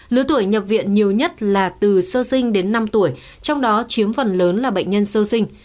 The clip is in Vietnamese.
lứa tuổi nhập viện nhiều nhất là từ sơ sinh đến năm tuổi trong đó chiếm phần lớn là bệnh nhân sơ sinh